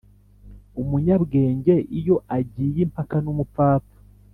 umunyabwenge iyo agiye impaka numupfapfa